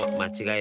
え？